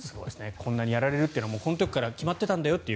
こんなにやられるっていうのはこの時から決まっていたんだと。